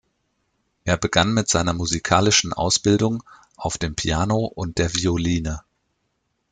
Er begann mit seiner musikalischen Ausbildung auf dem Piano und der Violine.